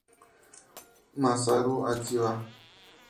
Masaru Akiba